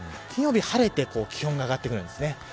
金曜日、晴れて気温が上がってきます。